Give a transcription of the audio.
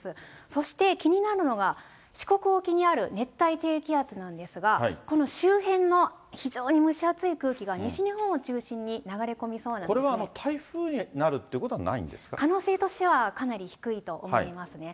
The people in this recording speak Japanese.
そして気になるのが、四国沖にある熱帯低気圧なんですが、この周辺の非常に蒸し暑い空気が西日本を中心に流れ込みそうなんこれは台風になるってことは可能性としてはかなり低いと思いますね。